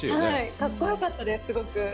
かっこよかったです、すごく。